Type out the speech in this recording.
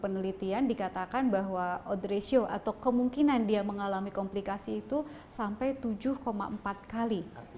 penelitian dikatakan bahwa odratio atau kemungkinan dia mengalami komplikasi itu sampai tujuh empat kali